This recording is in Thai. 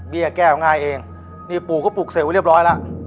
เบียแก่ง่ายเองนี่ปูก็ปลูกเสร็จไว้เรียบร้อยล่ะ